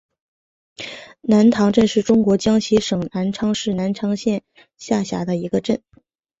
塘南镇是中国江西省南昌市南昌县下辖的一个镇。